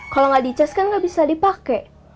kalau nggak dicas kan nggak bisa dipake